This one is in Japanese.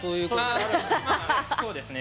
まあそうですね。